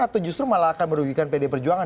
atau justru malah akan merugikan pd perjuangan